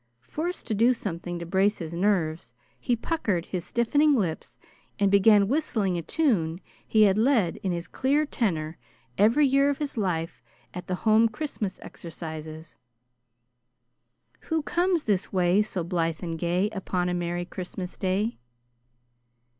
Forced to do something to brace his nerves, he puckered his stiffening lips and began whistling a tune he had led in his clear tenor every year of his life at the Home Christmas exercises. "Who comes this way, so blithe and gay, Upon a merry Christmas day?"